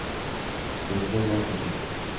Se engendra por semillas.